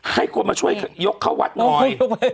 ให้คนมาช่วยยกเข้าวัดหน่อย